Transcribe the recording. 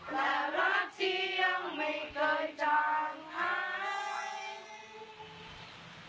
แต่รักที่ยังไม่เคยจางหาย